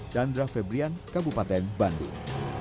dandra febrian kabupaten bandung